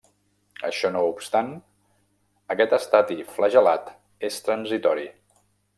Això no obstant, aquest estadi flagel·lat és transitori.